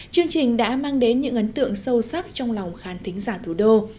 chương trình đã mang đến những ấn tượng sâu sắc trong lòng khán thính giả thủ đô